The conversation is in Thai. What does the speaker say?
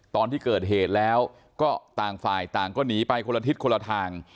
ตอนที่เกิดเหตุแล้วก็ต่างฝ่ายต่างก็หนีไปคนละทิศคนละทาง